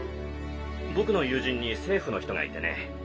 僕の友人に政府の人がいてね